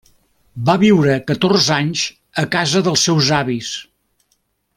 Va viure catorze anys a casa dels seus avis.